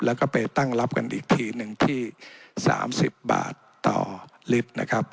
แล้วก็ไปตั้งรับกันอีกทีหนึ่งที่๓๐บาทต่อลิตรนะครับ